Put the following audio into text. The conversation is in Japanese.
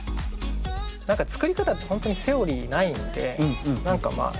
何か作り方って本当にセオリーないんで何かまあ